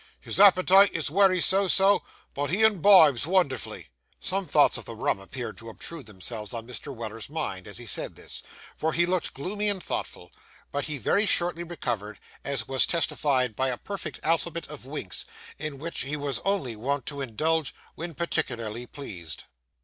His appetite is wery so so, but he imbibes wonderful.' Some thoughts of the rum appeared to obtrude themselves on Mr. Weller's mind, as he said this; for he looked gloomy and thoughtful; but he very shortly recovered, as was testified by a perfect alphabet of winks, in which he was only wont to indulge when particularly pleased.